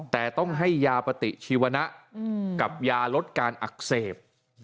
แต่ต้องให้ยาปฏิชีวนะกับยาลดการอักเสบ